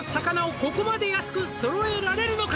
「ここまで安く揃えられるのか？」